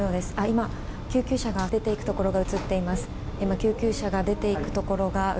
今、救急車が出て行くところが映っています。